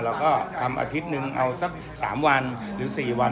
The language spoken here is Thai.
เราก็ทำอาทิตย์นึงเอาสัก๓วันหรือ๔วัน